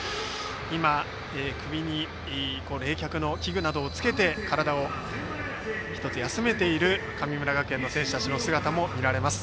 首に冷却の器具などを着けて体を休めている神村学園の選手たちの姿がありました。